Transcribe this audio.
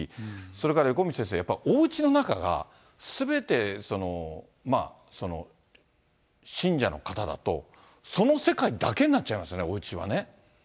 それから横道先生、やっぱり、おうちの中がすべて信者の方だと、その世界だけになっちゃいますよね、おうちはね。